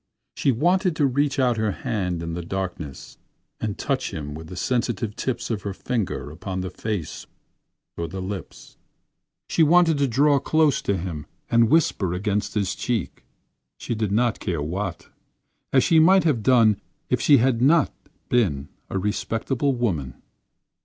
She wanted to reach out her hand in the darkness and touch him with the sensitive tips of her fingers upon the face or the lips. She wanted to draw close to him and whisper against his cheek—she did not care what—as she might have done if she had not been a respectable woman.